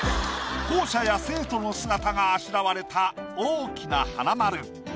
校舎や生徒の姿があしらわれた大きな花丸。